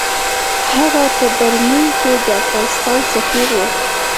هغه په برلین کې د افغانستان سفیر وو.